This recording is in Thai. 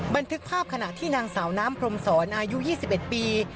บันทึกภาพขณะที่นางสาวน้ำพรมศรอายุ๒๑ปี